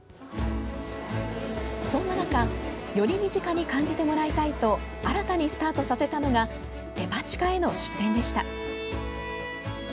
そんな中より身近に感じてもらいたいと新たにスタートさせたのがデパ地下への出店でした。